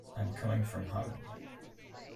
I am coming from home.